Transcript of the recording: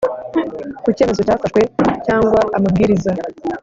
Ku cyemezo cyafashwe cyangwa amabwiriza